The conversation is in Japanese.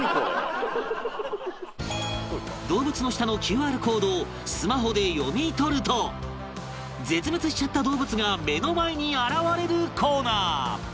動物の下の ＱＲ コードをスマホで読み取ると絶滅しちゃった動物が目の前に現れるコーナー